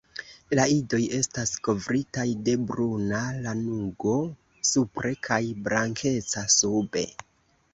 La idoj estas kovritaj de bruna lanugo supre kaj blankeca sube.